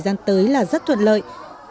rất tuyệt lợi